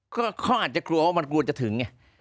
ก็ข้ออาจจะกลัวว่ามันกลัวจะถึงเนี่ย